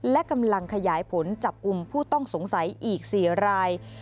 และกำลังขยายผลจับกลุ่มผู้ต้องสงสัยอีก๔ราย